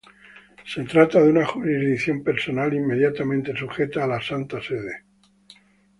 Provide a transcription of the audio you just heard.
Se trata de una jurisdicción personal inmediatamente sujeta a la Santa Sede.